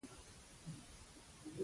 پسه د اختر ورځې ته برکت راوړي.